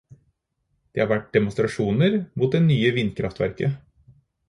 Det har vært demonstrasjoner mot det nye vindkraftverket.